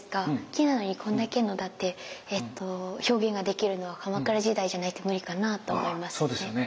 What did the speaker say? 木なのにこんだけの表現ができるのは鎌倉時代じゃないと無理かなと思いますね。